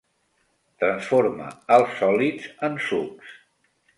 Transforma els sòlids en sucs.